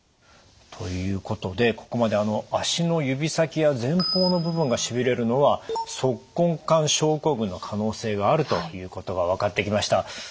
ということでここまで足の指先や前方の部分がしびれるのは足根管症候群の可能性があるということが分かってきました。